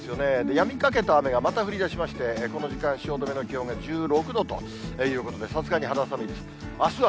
やみかけた雨がまた降りだしまして、この時間、汐留の気温が１６度ということで、さすがに肌寒いです。